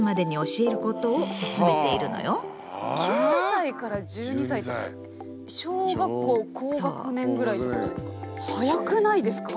９歳から１２歳って小学校高学年ぐらいってことですか。